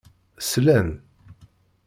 Slan.